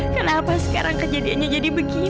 kenapa sekarang kejadiannya jadi begini